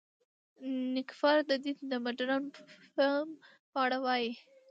نېکفر د دین د مډرن فهم په اړه وايي.